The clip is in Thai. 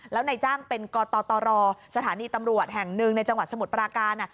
แล้วนายจ้างเป็นกตรสถานีตำรวจแห่งหนึ่งในจังหวัดสมุทรปราการ